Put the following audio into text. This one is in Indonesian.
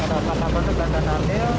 ada kata kata negara negara